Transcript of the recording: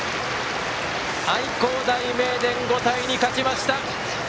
愛工大名電、５対２、勝ちました。